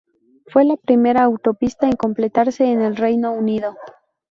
Fue la primera autopista en completarse en el Reino Unido.